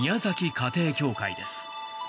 家庭教会です。